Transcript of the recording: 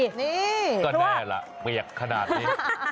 นี่ก็แน่ล่ะเปียกขนาดนี้